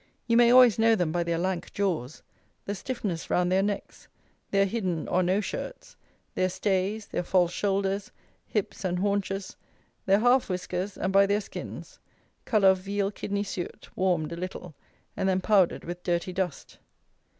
You may always know them by their lank jaws, the stiffeners round their necks, their hidden or no shirts, their stays, their false shoulders, hips, and haunches, their half whiskers, and by their skins, colour of veal kidney suet, warmed a little, and then powdered with dirty dust.